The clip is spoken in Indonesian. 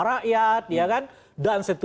rakyat ya kan dan